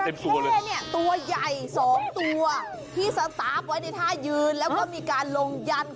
จอระเคตัวใหญ่สองตัวที่สตาร์ปไว้ในท่ายืนและมีการลงยัน